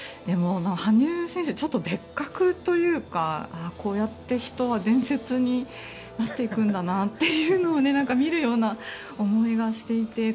羽生選手はちょっと別格というかこうやって人は伝説になっていくんだなというのを見るような思いはしていて。